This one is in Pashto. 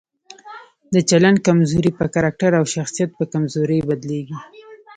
د چلند کمزوري په کرکټر او شخصیت په کمزورۍ بدليږي.